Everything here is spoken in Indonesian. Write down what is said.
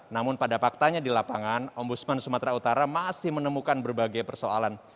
namun pada faktanya di lapangan ombudsman sumatera utara masih menemukan berbagai persoalan